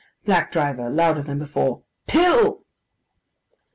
BLACK DRIVER (louder than before). 'Pill!